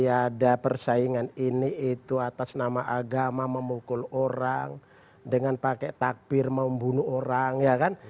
ada persaingan ini itu atas nama agama memukul orang dengan pakai takbir membunuh orang ya kan